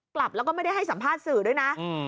กลับแล้วก็ไม่ได้ให้สัมภาษณ์สื่อด้วยนะ